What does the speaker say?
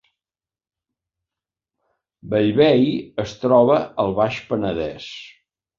Bellvei es troba al Baix Penedes